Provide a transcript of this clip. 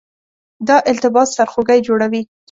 دا التباس سرخوږی جوړوي.